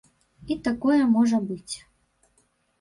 І такое можа быць.